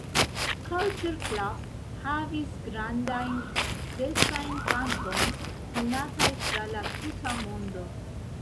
Culture Club havis grandajn sukcesajn kantojn konataj tra la tuta mondo.